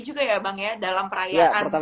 juga ya bang ya dalam perayaan